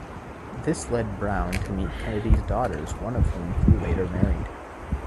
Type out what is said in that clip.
This led Brown to meet Kennedy's daughters, one of whom he later married.